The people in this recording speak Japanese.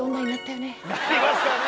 なりましたね。